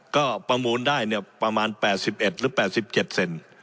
ก็ประมูลได้เนี้ยประมาณแปดสิบเอ็ดหรือแปดสิบเจ็ดเซน